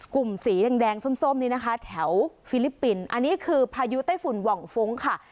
สีแดงส้มนี่นะคะแถวฟิลิปปินส์อันนี้คือพายุไต้ฝุ่นหว่องฟุ้งค่ะ